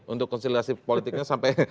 untuk konsultasi politiknya sampai